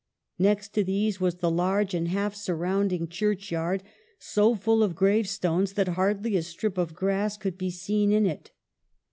Next to these was the large and half surrounding churchyard, so full of gravestones that hardly a strip of grass could be seen in it."